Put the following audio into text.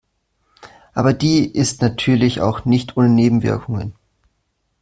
Aber die ist natürlich auch nicht ohne Nebenwirkungen.